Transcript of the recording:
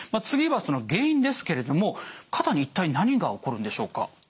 次は原因ですけれども肩に一体何が起こるんでしょうか？